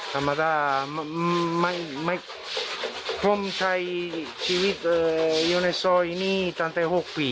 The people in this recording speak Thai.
ธรรมดาไม่พร้อมใจชีวิตยังในซอยอันนี้ตั้งแต่๖ปี